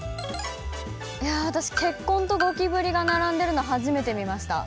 いやぁ私「結婚」と「ゴキブリ」が並んでるの初めて見ました。